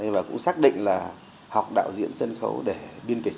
và cũng xác định là học đạo diễn sân khấu để biên kịch